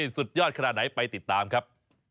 สุดยอดขนาดไหนไปติดตามครับ